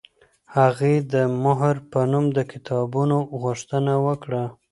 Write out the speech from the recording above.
هغې د مهر په نوم د کتابونو غوښتنه وکړه.